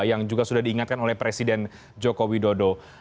yang juga sudah diingatkan oleh presiden joko widodo